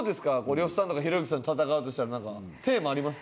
呂布さんとかひろゆきさんと戦うとしたらなんかテーマあります？